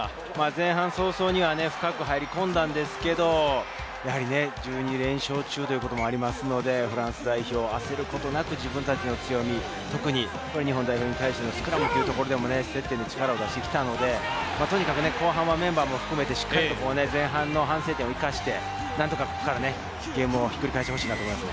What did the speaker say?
前半早々に深く入り込んだんですけど、１２連勝中ということもあるので、フランス代表、焦ることなく自分たちの強み、特に日本代表に対してスクラムでも力を出してきたので、とにかく後半はメンバーも含めて前半の反省点を生かして、何とかここからゲームをひっくり返してほしいと思います。